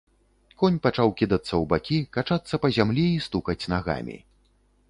Конь пачаў кідацца ў бакі, качацца па зямлі і стукаць нагамі.